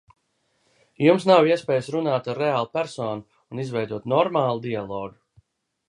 Jums nav iespējas runāt ar reālu personu un izveidot normālu dialogu.